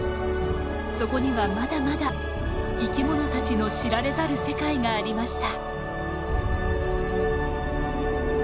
そこにはまだまだ生き物たちの知られざる世界がありました。